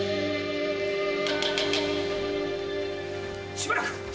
しばらく。